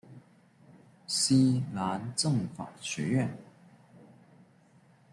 西南政法学院。